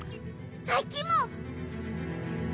あっちも！